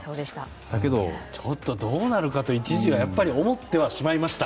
だけど、どうなるかと一時は思ってしまいました。